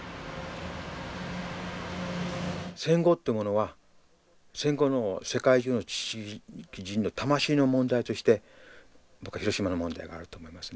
戦後ってものは戦後の世界中の知識人の魂の問題として僕は広島の問題があると思いますね。